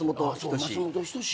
松本人志。